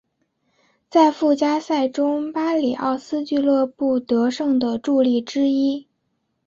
在附加赛中巴里奥斯俱乐部得胜的助力之一。